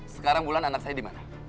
sekarang bulan anak saya dimana